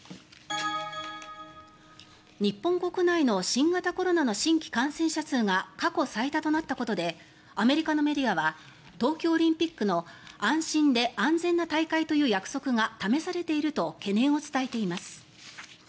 日本国内の新型コロナの新規感染者数が過去最多となったことでアメリカのメディアは東京オリンピックの安心で安全な大会という約束が試されていると懸念を伝えています。